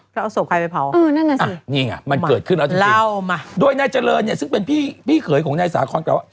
เพราะเอาศพใครไปเผานี่ไงมันเกิดขึ้นแล้วจริงโดยนายเจริญซึ่งเป็นพี่เขยของนายสาขอนก็ว่า